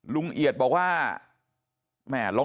ลุงเอียดบอกว่า